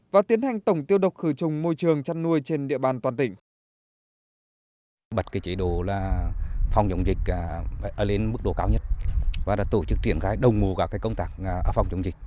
và tiến hành tổng tiêu độc khử trùng môi trường chăn nuôi trên địa bàn toàn tỉnh